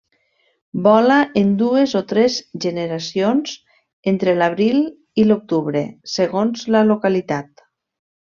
Vola en dues o tres generacions entre l'abril i l'octubre, segons la localitat.